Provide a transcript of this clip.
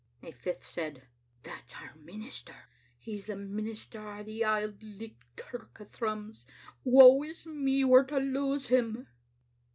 A fifth said, " That's our minister. He's the minister o' the Auld Licht Kirk o' Thrums. Woa is me, we're to lose him."